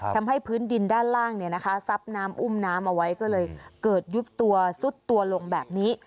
พื้นดินด้านล่างซับน้ำอุ้มน้ำเอาไว้ก็เลยเกิดยุบตัวซุดตัวลงแบบนี้